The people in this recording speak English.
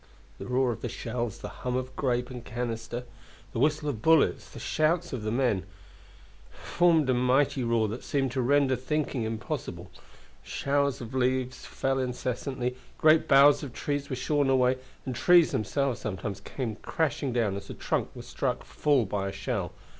The roar of the shells, the hum of grape and canister, the whistle of bullets, the shouts of the men, formed a mighty roar that seemed to render thinking impossible. Showers of leaves fell incessantly, great boughs of trees were shorn away, and trees themselves sometimes came crashing down as a trunk was struck full by a shell.